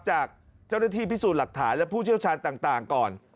จากเจ้าหน้าที่พิสูจน์หลักฐานและผู้เชี่ยวชาญต่างก่อน